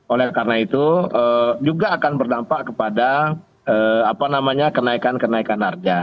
oleh karena itu juga akan berdampak kepada kenaikan kenaikan harga